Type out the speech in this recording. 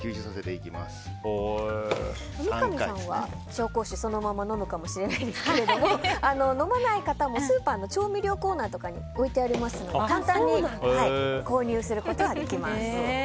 三上さんは紹興酒そのまま飲むかもしれないですが飲まない方もスーパーの調味料コーナーとかに置いてありますので簡単に購入することができます。